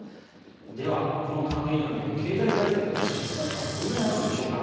では、この還元案で経済対策としての効果はどれくらいあるのでしょうか。